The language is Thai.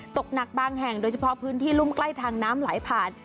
ตกหนักบางแห่งโดยเฉพาะพื้นที่รุ่มใกล้ทางน้ำไหลผ่าน